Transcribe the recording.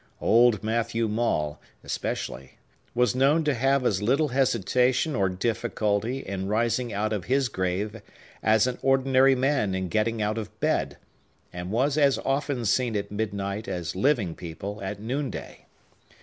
Old Matthew Maule, especially, was known to have as little hesitation or difficulty in rising out of his grave as an ordinary man in getting out of bed, and was as often seen at midnight as living people at noonday.